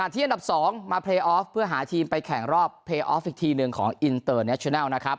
ที่อันดับ๒มาเพลย์ออฟเพื่อหาทีมไปแข่งรอบเพลย์ออฟอีกทีหนึ่งของอินเตอร์เนชินัลนะครับ